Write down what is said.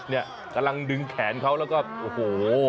เนี่ยกำลังดึงแขนเขาแล้วก็โอ้โห